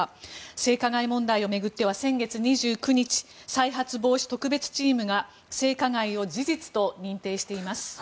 性加害問題を巡っては先月２９日再発防止特別チームが性加害を事実と認定しています。